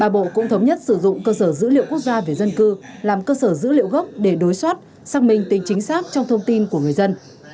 ba bộ cũng thống nhất sử dụng cơ sở dữ liệu quốc gia về dân cư làm cơ sở dữ liệu gốc để đối soát xác minh tính chính xác trong thông tin của người dân